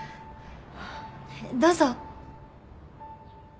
どうぞ。